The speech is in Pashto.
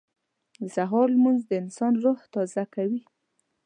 • د سهار لمونځ د انسان روح تازه کوي.